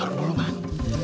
taruh dulu bang